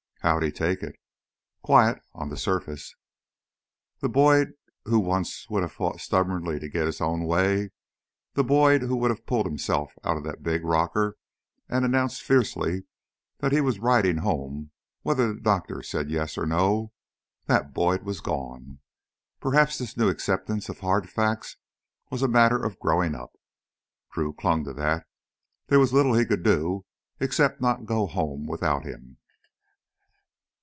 "How'd he take it?" "Quiet on the surface." The Boyd who once would have fought stubbornly to get his own way, the Boyd who would have pulled himself out of that big rocker and announced fiercely that he was riding home whether the doctor said Yes or No that Boyd was gone. Perhaps this new acceptance of hard facts was a matter of growing up. Drew clung to that. There was little he could do, except not go home without him.